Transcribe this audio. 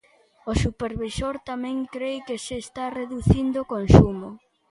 O supervisor tamén cre que se está reducindo o consumo.